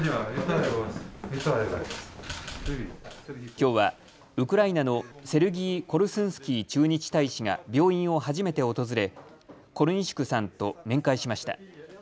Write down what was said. きょうはウクライナのセルギー・コルスンスキー駐日大使が病院を初めて訪れコルニシュクさんと面会しました。